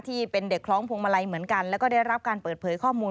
ที่เป็นเด็กคล้องพวงมาลัยเหมือนกันแล้วก็ได้รับการเปิดเผยข้อมูล